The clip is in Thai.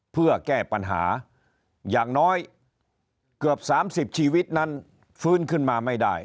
เพื่อแก้ปัญหาอย่างน้อยเกือบ๓๐ชีวิตนั้นฟื้นขึ้นมาไม่ได้